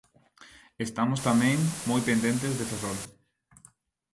Estamos tamén moi pendentes de Ferrol.